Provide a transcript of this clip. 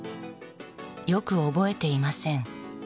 よく覚えていません。